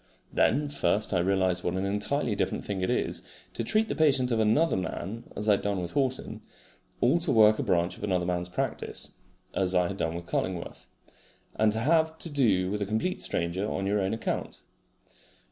Then first I realised what an entirely different thing it is to treat the patient of another man (as I had done with Horton) or to work a branch of another man's practice (as I had done with Cullingworth), and to have to do with a complete stranger on your own account.